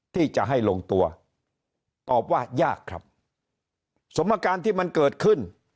ที่จะให้ลงตัวตอบว่ายากครับสมการที่มันเกิดขึ้น